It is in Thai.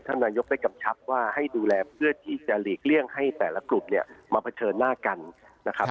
นายกได้กำชับว่าให้ดูแลเพื่อที่จะหลีกเลี่ยงให้แต่ละกลุ่มเนี่ยมาเผชิญหน้ากันนะครับ